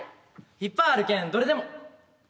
いっぱいあるけんどれでも。